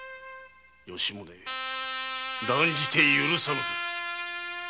吉宗断じて許さぬ！